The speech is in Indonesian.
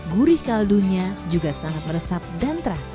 gurih kaldunya juga sangat meresap dan terasa